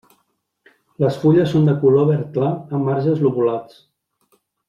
Les fulles són de color verd clar amb marges lobulats.